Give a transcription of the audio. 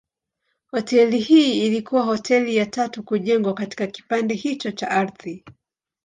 Hoteli hii ilikuwa hoteli ya tatu kujengwa katika kipande hicho cha ardhi.